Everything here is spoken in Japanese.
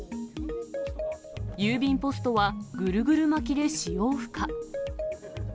郵便ポストはぐるぐる巻きで使用不可。